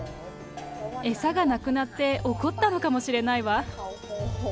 餌がなくなって怒ったのかもしれないわ。